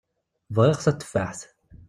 Bɣiɣ tateffaḥt.